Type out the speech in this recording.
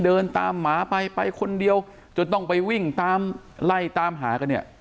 เดินตามหมาไปคนเดียวจนต้องไปวิ่งตามไล่ตามหากันเนี่ย